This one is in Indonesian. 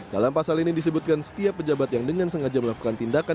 dalam pasal ini disebutkan setiap pejabat yang dengan sengaja melakukan tindakan